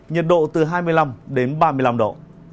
nhiệt độ từ hai mươi năm đến ba mươi năm độ